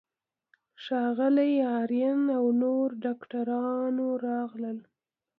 ښاغلی آرین او نورو ډاکټرانو راغلل.